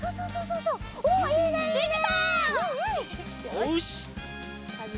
よし！